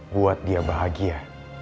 buat dia bahagia